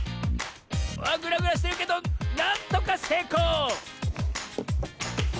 あっグラグラしてるけどなんとかせいこう！